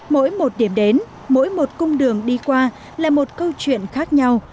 mỗi một điểm đến mỗi một cung đường đi qua là một câu chuyện khác nhau